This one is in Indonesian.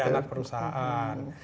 di anak perusahaan